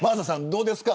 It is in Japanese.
どうですか。